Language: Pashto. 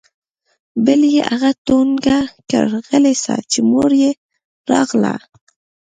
بل يې هغه ټونګه كړ غلى سه چې مور يې راغله.